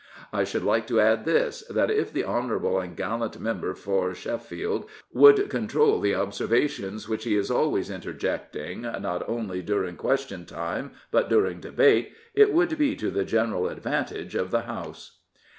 I should like to add this — that if the honourable and gallant member for Sheffield would control the observations which he is always interjecting, not only during question time, but during debate, it would be to the general advantage of the House.